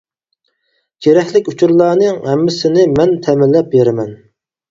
كېرەكلىك ئۇچۇرلارنىڭ ھەممىسىنى مەن تەمىنلەپ بېرىمەن.